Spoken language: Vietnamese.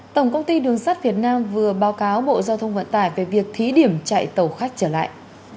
tổng công ty đường sắt việt nam vừa báo cáo bộ giao thông vận tải về việc thí điểm chạy tàu khách trở lại